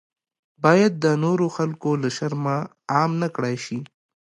باید د نورو خلکو له شرمه عام نکړای شي.